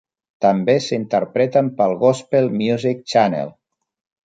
També s'interpreten pel Gospel Music Channel.